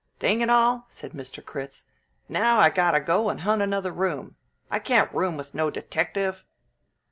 "Ding it all!" said Mr. Critz. "Now I got to go and hunt another room. I can't room with no detective."